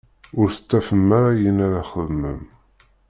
Ur tettafem ara ayen ara txedmem.